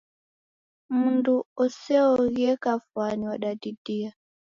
Mundu useoghie kafwani wadadidia